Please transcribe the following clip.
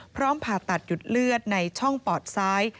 ผ่าตัดหยุดเลือดในช่องปอดซ้าย